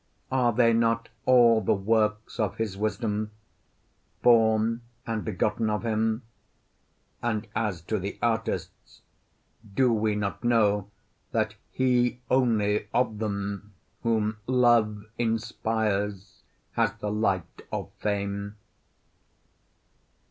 Are they not all the works of his wisdom, born and begotten of him? And as to the artists, do we not know that he only of them whom love inspires has the light of fame?